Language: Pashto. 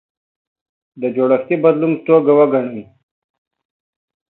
د جوړښتي بدلون په توګه وګڼي.